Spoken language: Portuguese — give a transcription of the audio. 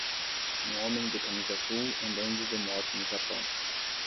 Um homem de camisa azul andando de moto no Japão.